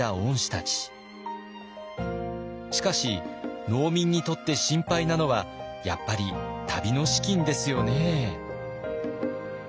しかし農民にとって心配なのはやっぱり旅の資金ですよね。